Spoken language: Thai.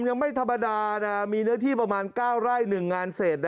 ยังไม่ธรรมดานะมีเนื้อที่ประมาณ๙ไร่๑งานเศษ